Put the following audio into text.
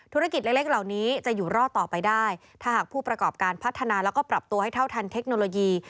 ธุรกิจเล็กเล็กเหล่านี้จะอยู่รอดต่อไปได้ถ้าหากผู้ประกอบการพัฒนาแล้วก็ปรับตัวให้เท่าทันเทคโนโลยี